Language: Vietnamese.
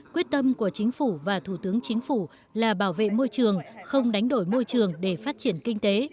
quyết tâm của chính phủ và thủ tướng chính phủ là bảo vệ môi trường không đánh đổi môi trường để phát triển kinh tế